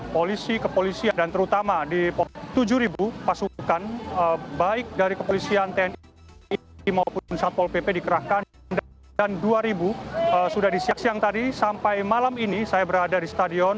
polisi kepolisian dan terutama di tujuh pasukan baik dari kepolisian tni maupun satpol pp dikerahkan dan dua ribu sudah di siang siang tadi sampai malam ini saya berada di stadion